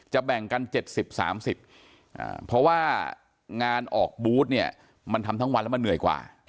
แบ่งกัน๗๐๓๐เพราะว่างานออกบูธเนี่ยมันทำทั้งวันแล้วมันเหนื่อยกว่า